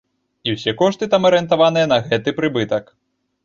І ўсе кошты там арыентаваныя на гэты прыбытак.